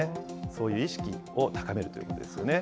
そういう意識を高めるということですよね。